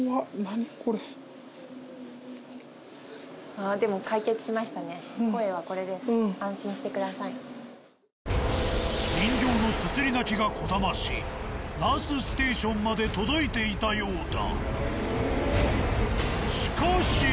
ああでも人形のすすり泣きがこだましナースステーションまで届いていたようだ。